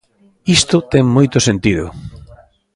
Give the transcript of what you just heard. Isto ten moito sentido.